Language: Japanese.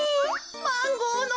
マンゴーの。